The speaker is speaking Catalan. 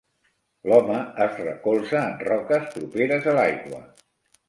L'home es recolza en roques properes a l'aigua.